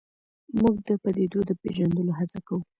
موږ د پدیدو د پېژندلو هڅه کوو.